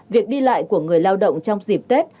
việc đi lại của người lao động trong dịp tết